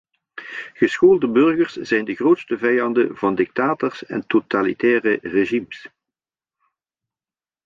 Geschoolde burgers zijn de grootste vijanden van dictators en totalitaire regimes.